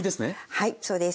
はいそうです。